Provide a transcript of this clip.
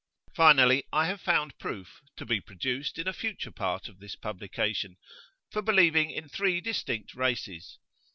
Finally, I have found proof, to be produced in a future part of this publication, for believing in three distinct races.